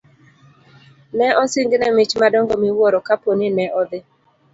Ne osingne mich madongo miwuoro kapo ni ne odhi